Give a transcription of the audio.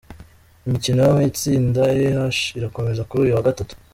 Imikino yo mu itsida E-H irakomeza kuri uyu wa Gatatu.